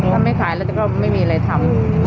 ถ้าไม่ขายแล้วก็ไม่มีอะไรทำ